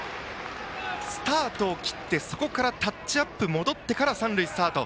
スタートを切ってそこからタッチアップに戻ってから三塁へスタート。